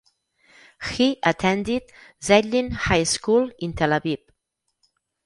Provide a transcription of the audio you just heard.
He attended Zeitlin High School in Tel Aviv.